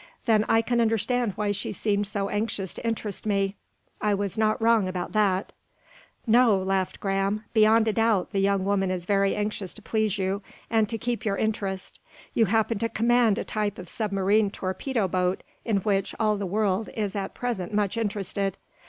"Then I can understand why she seemed so anxious to interest me. I was not wrong about that." "No," laughed Graham. "Beyond a doubt the young woman is very anxious to please you, and to keep your interest. You happen to command a type of submarine torpedo boat in which all the world is at present much interested.